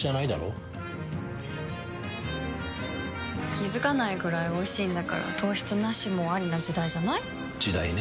気付かないくらいおいしいんだから糖質ナシもアリな時代じゃない？時代ね。